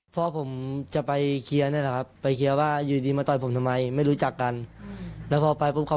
พ่อผมจะไปเคลียร์นี่แหละครับไปเคลียร์ว่าอยู่ดีมาต่อยผมทำไมไม่รู้จักกันแล้วพอไปปุ๊บเขา